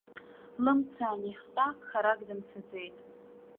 Лымца анихҟьа харак дымцаӡеит.